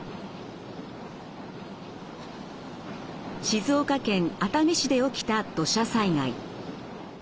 静岡県熱海市で起きた土砂災害。